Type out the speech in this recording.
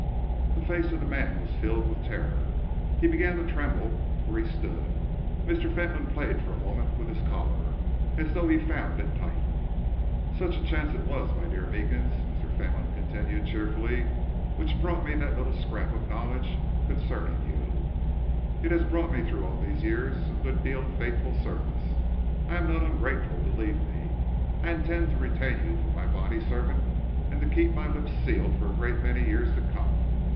The face of the man was filled with terror. He began to tremble where he stood. Mr. Fentolin played for a moment with his collar, as though he found it tight. "Such a chance it was, my dear Meekins," Mr. Fentolin continued cheerfully, "which brought me that little scrap of knowledge concerning you. It has bought me through all these years a good deal of faithful service. I am not ungrateful, believe me. I intend to retain you for my body servant and to keep my lips sealed, for a great many years to come.